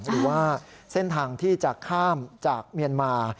หรือว่าเส้นทางที่จะข้ามจากเมียนมา